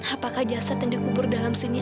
apakah jasad yang dikubur dalam sini